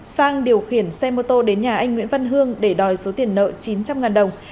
sang điều khiển xe mô tô đến nhà anh nguyễn văn hương để đòi số tiền nợ chín trăm linh đồng